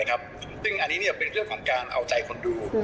ซึ่งอันนี้เป็นเรื่องของการเอาใจคนดู